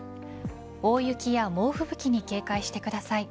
大雪や猛吹雪に警戒してください。